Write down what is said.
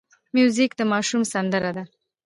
موزیک د ماشوم سندره ده.